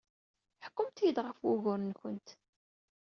Ḥkumt-iyi-d ɣef wuguren-nwent.